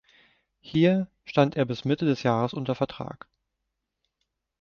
Hier stand er bis Mitte des Jahres unter Vertrag.